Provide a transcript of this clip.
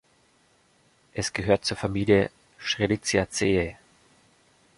Es gehört zur Familie Strelitziaceae.